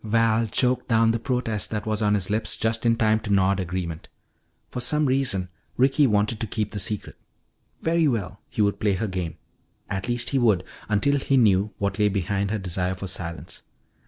Val choked down the protest that was on his lips just in time to nod agreement. For some reason Ricky wanted to keep the secret. Very well, he would play her game. At least he would until he knew what lay behind her desire for silence.